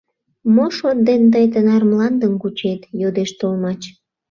— Мо шот дене тый тынар мландым кучет? — йодеш толмач.